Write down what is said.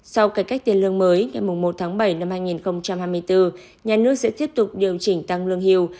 sau cải cách tiền lương mới ngày một tháng bảy năm hai nghìn hai mươi bốn nhà nước sẽ tiếp tục điều chỉnh tăng lương hưu